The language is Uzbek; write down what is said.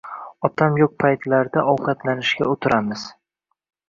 Otam yo'q paytlarda ovqatlanishga o'tiramiz.